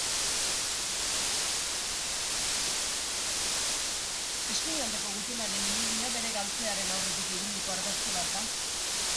Eskuinaldeko gutunaren irudia bere galtzearen aurretik eginiko argazki bat da.